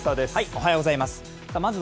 おはようございます。